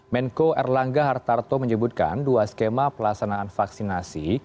menko erlangga hartarto menyebutkan dua skema pelaksanaan vaksinasi